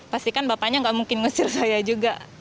pastikan bapaknya nggak mungkin ngusir saya juga